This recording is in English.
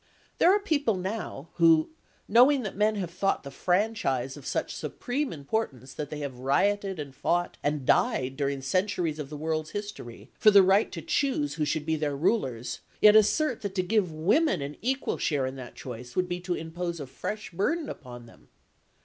There are people now, who, knowing that men have thought the franchise of such supreme importance that they have rioted and fought and died during centuries of the world's history for the right to choose who should be their rulers, yet assert that to give women an equal share in that choice would be to impose a fresh burden upon them!